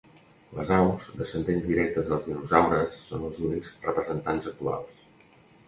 Les aus, descendents directes dels dinosaures, són els únics representants actuals.